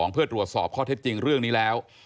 เพื่อตรวจสอบข้อเท็จจริงเรื่องนี้แล้ว